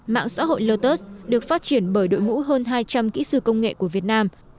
mạng xã hội lotus được phát triển bởi đội ngũ hơn hai trăm linh kỹ sư công nghệ của việt nam